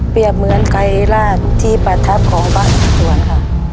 เปรียบเสมือนไกรราชที่ประทับของพระอิสวรรค์ค่ะ